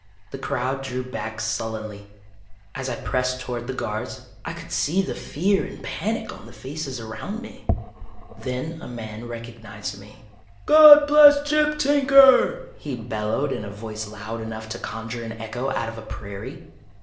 The crowd drew back sullenly. As I pressed toward the guards, I could see the fear and panic on the faces around me. Then a man recognized me. "God bless Gyp Tinker!" he bellowed in a voice loud enough to conjure an echo out of a prairie.